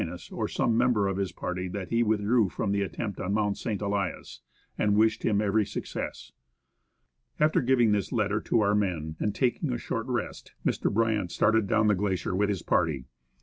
or some member of his party that he withdrew from the attempt on Mount St. Elias, and wished him every success. After giving this letter to our men and taking a short rest, Mr. Bryant started down the glacier with his party.